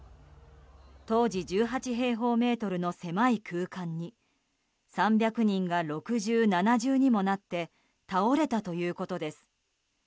当時１８平方メートルの狭い空間に３００人が６重、７重にもなって倒れたということです。